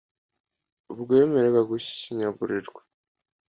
ubwo yemeraga gushinyagurirwa